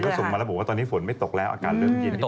ก็ส่งมาระบุว่าตอนนี้ฝนไม่ตกแล้วอากาศเริ่มเย็น